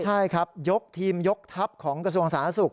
ใช่ครับยกทีมยกทัพของกระทรวงสาธารณสุข